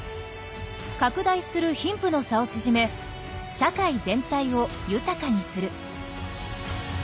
拡大する貧富の差を縮め社会全体を豊かにする。